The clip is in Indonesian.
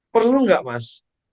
perlu nggak mas